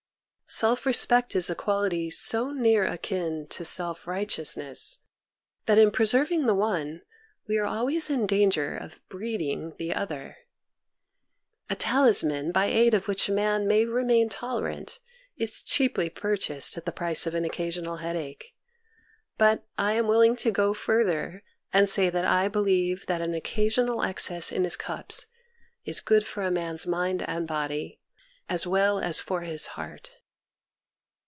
Self respect is a quality so near akin to self righteousness that in preserving the one we are always in danger of breeding the other. A talisman by aid of which a man may 176 MONOLOGUES remain tolerant is cheaply purchased at the price of an occasional headache, but I am willing to go further and say that I believe that an occasional excess in his cups is good for a man's mind and body as well as for his heart.